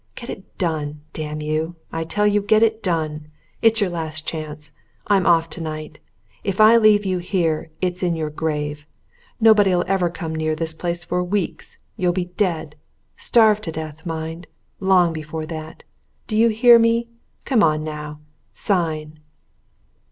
Get it done damn you, I tell you, get it done! It's your last chance. I'm off tonight. If I leave you here, it's in your grave. Nobody'll ever come near this place for weeks you'll be dead starved to death, mind! long before that. Do you hear me? Come on, now! sign!"